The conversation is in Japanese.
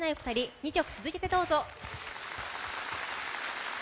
２曲続けて、どうぞ。